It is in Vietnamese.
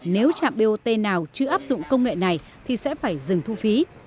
nếu trạm bot nào chưa áp dụng công nghệ này thì sẽ phải dừng thu phí